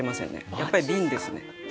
やっぱり瓶ですね。